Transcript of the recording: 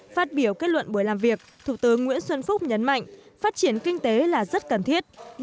phát biểu kết luận buổi làm việc thủ tướng nguyễn xuân phúc nhấn mạnh phát triển kinh tế là rất cần thiết